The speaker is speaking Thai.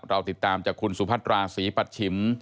เราติดตามจากคุณสุพัตราศรีปัชชิม